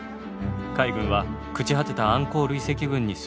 海軍は朽ち果てたアンコール遺跡群に遭遇。